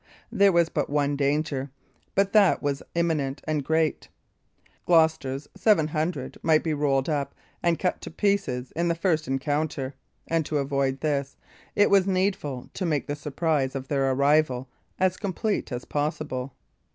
There was but one danger, but that was imminent and great Gloucester's seven hundred might be rolled up and cut to pieces in the first encounter, and, to avoid this, it was needful to make the surprise of their arrival as complete as possible.